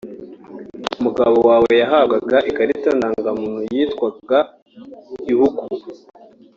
umugabo wawe yahabwaga ikarita Ndangamuntu yitwaga Ibuku